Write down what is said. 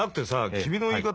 君の言い方